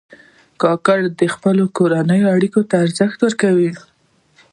کاکړي د خپلو کورنیو اړیکو ته ارزښت ورکوي.